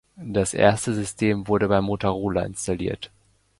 Das erste System wurde bei Motorola installiert.